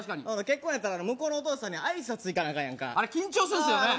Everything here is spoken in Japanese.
結婚やったら向こうのお父さんに挨拶行かなアカンやんかあれ緊張するんすよね